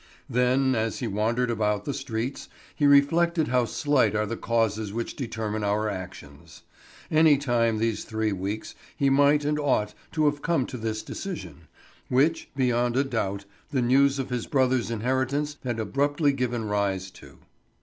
Then, as he wandered about the streets, he reflected how slight are the causes which determine our actions. Any time these three weeks he might and ought to have come to this decision, which, beyond a doubt, the news of his brother's inheritance had abruptly given rise to.